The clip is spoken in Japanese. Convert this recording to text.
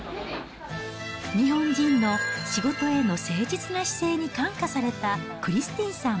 日本人の仕事への誠実な姿勢に感化されたクリスティンさん。